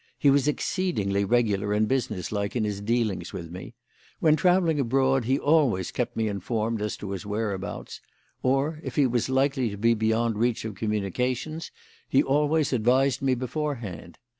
He was exceedingly regular and business like in his dealings with me. When travelling abroad he always kept me informed as to his whereabouts, or, if he was likely to be beyond reach of communications, he always advised me beforehand.